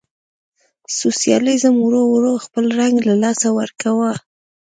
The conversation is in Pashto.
سوسیالیزم ورو ورو خپل رنګ له لاسه ورکاوه.